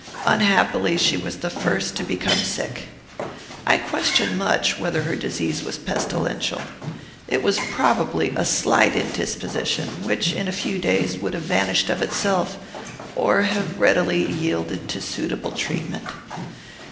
Unhappily, she was the first to become sick. I question much whether her disease was pestilential. It was, probably, a slight indisposition, which, in a few days, would have vanished of itself, or have readily yielded to suitable treatment.